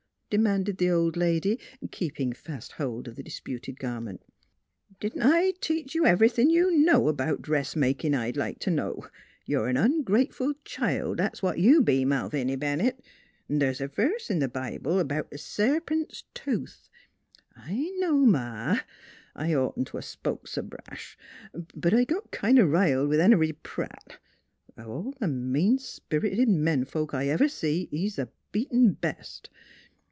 " demanded the old lady, keeping fast hold of the disputed garment. " Didn't I teach ye ev'rythin' you know 'bout dressmakin', I'd like t' know? You're a ongrateful child; that's what you be, Malviny Bennett. 'N' there's a verse in th' Bible 'bout a sarpint's tooth "" I know it, Ma ; I'd oughtn't t' a' spoke s' brash. But I got kind o' riled with Henery Pratt. 8 NEIGHBORS Of all th' mean spirited men folks, I ever see, he's th' beatin'est.